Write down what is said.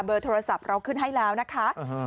โดยโทรศัพท์เราขึ้นให้แล้วนะคะ